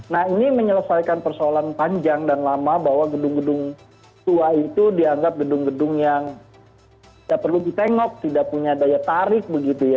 nah ini menyelesaikan persoalan panjang dan lama bahwa gedung gedung tua itu dianggap gedung gedung yang tidak perlu ditengok tidak punya daya tarik begitu ya